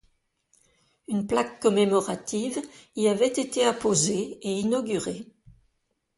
Une plaque commémorative y avait été apposée et inaugurée.